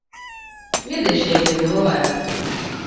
Ведаеш, як яно бывае?